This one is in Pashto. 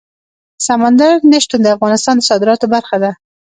سمندر نه شتون د افغانستان د صادراتو برخه ده.